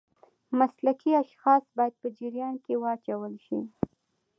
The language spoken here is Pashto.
مسلکي اشخاص باید په جریان کې واچول شي.